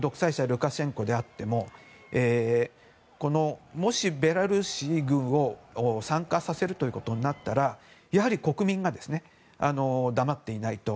ルカシェンコであってもこのもしベラルーシ軍を参加させるということになったらやはり国民が黙っていないと。